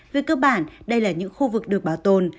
về cơ bản đây là những khu vực được bảo tồn